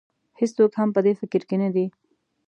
هېڅوک هم په دې فکر کې نه دی.